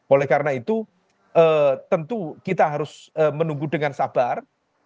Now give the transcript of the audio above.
oleh karena itu tentu kita harus menunggu dengan sabar